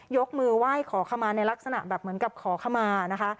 ยกมือไหว้ขอขมาในลักษณะแบบเหมือนกับขอขมานะคะ